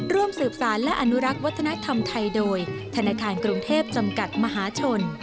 ร่วมสืบสารและอนุรักษ์วัฒนธรรมไทยโดยธนาคารกรุงเทพจำกัดมหาชน